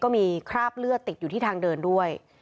คราบเลือดติดอยู่ที่ทางเดินด้วย